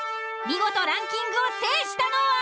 見事ランキングを制したのは？